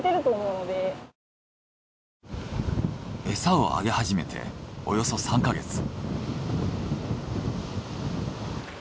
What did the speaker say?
エサをあげ始めておよそ３ヵ月。